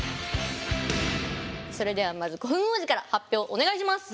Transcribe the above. それではまず古墳王子から発表をお願いします。